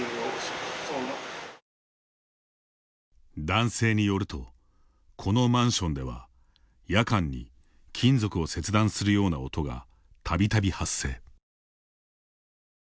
男性によるとこのマンションでは夜間に金属を切断するような音がたびたび発生。